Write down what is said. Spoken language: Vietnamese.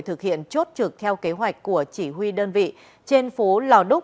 thực hiện chốt trực theo kế hoạch của chỉ huy đơn vị trên phố lò đúc